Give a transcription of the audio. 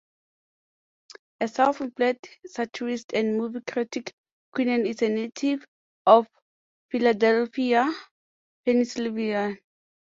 A self-employed satirist and movie critic, Queenan is a native of Philadelphia, Pennsylvania.